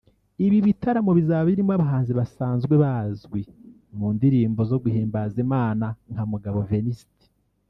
Ibi bitaramo bizaba birimo abahanzi basanzwe bazwi mu ndirimbo zo guhimbaza Imana nka Mugabo Venuste